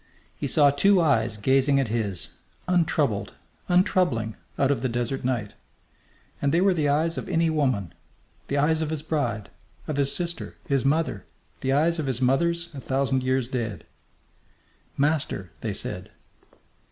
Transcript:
He saw two eyes gazing at his, untroubled, untroubling, out of the desert night. And they were the eyes of any woman the eyes of his bride, of his sister, his mother, the eyes of his mothers a thousand years dead. "Master!" they said.